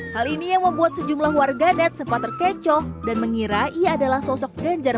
hal ini yang membuat sejumlah warganet sempat terkecoh dan mengira ia adalah sosok ganjar